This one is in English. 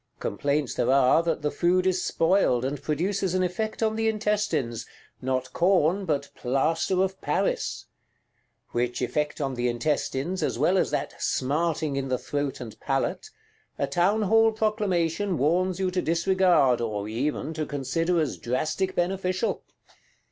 Complaints there are that the food is spoiled, and produces an effect on the intestines: not corn but plaster of Paris! Which effect on the intestines, as well as that "smarting in the throat and palate," a Townhall Proclamation warns you to disregard, or even to consider as drastic beneficial.